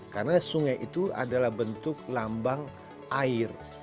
karena sungai itu adalah bentuk lambang air